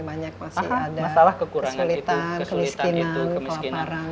masih ada kesulitan kemiskinan kewaparan